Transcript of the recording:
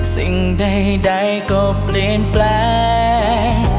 สิ่งใดก็เปลี่ยนแปลง